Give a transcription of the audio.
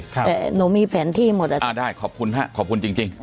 แต่หนูมีแผนที่หมดแล้วนะครับได้ขอบคุณครับขอบคุณจริง